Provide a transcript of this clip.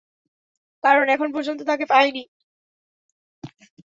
কারন এখন পর্যন্ত তাকে পাই নি।